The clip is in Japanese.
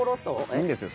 いいんですよ